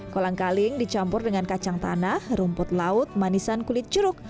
kolang kaling dicampur dengan kacang tanah rumput laut manisan kulit jeruk